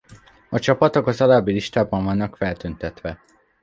A csapatok az alábbi listában vannak feltüntetve.